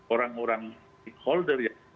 orang orang holder yang